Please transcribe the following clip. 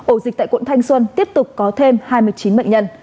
ổ dịch tại quận thanh xuân tiếp tục có thêm hai mươi chín bệnh nhân